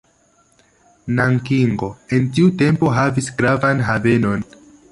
Nankingo en tiu tempo havis gravan havenon.